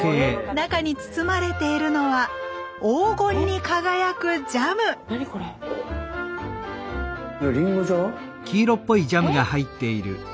中に包まれているのは黄金に輝くジャム！えっ！